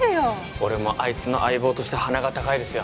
俺もあいつの相棒として鼻が高いですよ